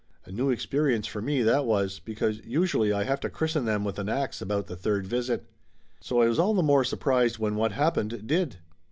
A new experience for me, that was, because usually I have to christen them with an ax about the third visit. So I was all the more surprised when what happened, did.